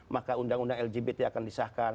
maka undang undang lgbt akan disahkan